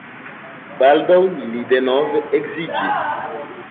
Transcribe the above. Baldaŭ li denove edziĝis.